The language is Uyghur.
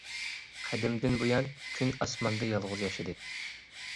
قەدىمدىن بۇيان كۈن ئاسماندا يالغۇز ياشىدى.